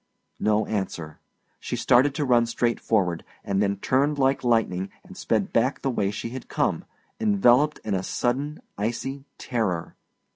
No answer. She started to run straight forward, and then turned like lightning and sped back the way she had come, enveloped in a sudden icy terror.